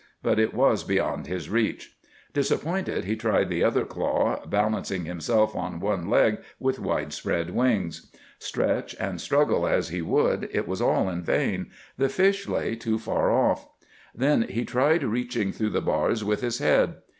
But it was beyond his reach. Disappointed, he tried the other claw, balancing himself on one leg with widespread wings. Stretch and struggle as he would, it was all in vain. The fish lay too far off. Then he tried reaching through the bars with his head.